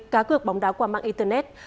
cá cược bóng đá qua mạng internet